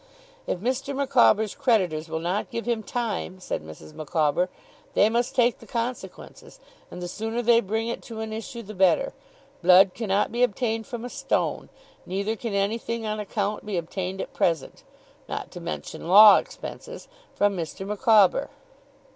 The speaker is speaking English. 'If Mr. Micawber's creditors will not give him time,' said Mrs. Micawber, 'they must take the consequences; and the sooner they bring it to an issue the better. Blood cannot be obtained from a stone, neither can anything on account be obtained at present (not to mention law expenses) from Mr. Micawber.